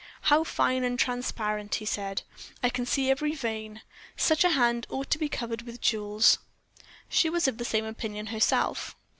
"How fine and transparent," he said. "I can see every vein. Such a hand ought to be covered with jewels." She was of the same opinion herself.